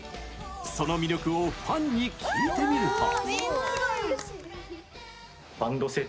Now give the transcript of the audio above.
その魅力をファンに聞いてみると。